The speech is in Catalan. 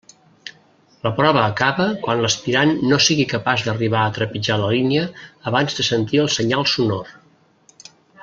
La prova acaba quan l'aspirant no sigui capaç d'arribar a trepitjar la línia abans de sentir el senyal sonor.